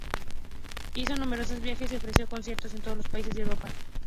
Hizo numerosos viajes y ofreció conciertos en todos los países de Europa.